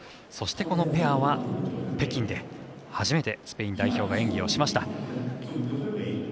そして、このペアは北京で初めてスペイン代表が演技をしました。